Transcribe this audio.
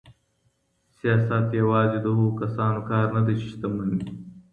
سياست يوازې د هغو کسانو کار نه دی چي شتمن دي.